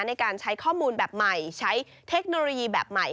ในการใช้ข้อมูลแบบใหม่ใช้เทคโนโลยีแบบใหม่